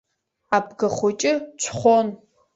Абгахәыҷы ҽхәон.